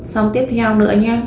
xong tiếp theo nữa nhé